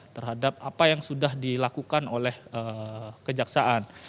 terhadap apa yang sudah dilakukan oleh kejaksaan